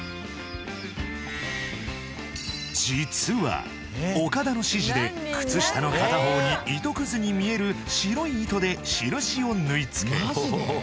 実は岡田の指示で靴下の片方に糸くずに見える白い糸で印を縫い付け